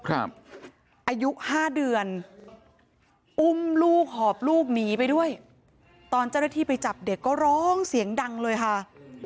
อายุ๕เดือนอุ้มลูกหอบลูกหนีไปด้วยตอนเจ้าหน้าที่ไปจับเด็กก็ร้องเสียงดังเลยค่ะ